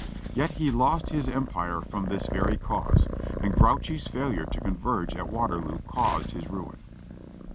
Yet he lost his empire from this very cause; and Grouchy's fail ure to converge at Waterloo caused his ruin.